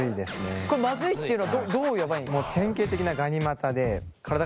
これマズいっていうのはどうやばいんですか？